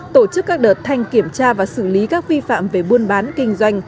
tổ chức các đợt thanh kiểm tra và xử lý các vi phạm về buôn bán kinh doanh